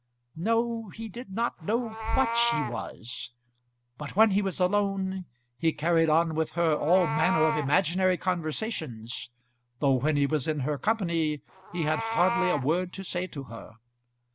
No; he did not know what she was; but when he was alone, he carried on with her all manner of imaginary conversations, though when he was in her company he had hardly a word to say to her.